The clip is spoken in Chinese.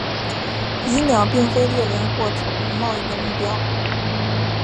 蚁鸟并非猎人或宠物贸易的目标。